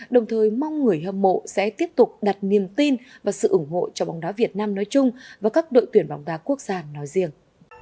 đồng thời mong người hâm mộ sẽ tiếp tục đặt niềm tin và sự ủng hộ cho bóng đá việt nam nói chung và các đội tuyển bóng đá quốc gia nói riêng